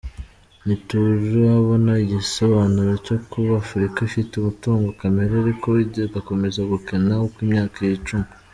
Ntiturabona igisobanuro cyo kuba Afurika ifite umutungo kamere ariko igakomeza gukena uko imyaka yicuma.